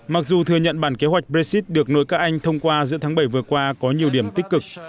mặc dù thừa nhận bản kế hoạch brexit được nội các anh thông qua giữa tháng bảy vừa qua có nhiều điểm tích cực